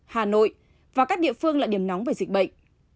hà nội và các địa phương là điểm nóng về dịch bệnh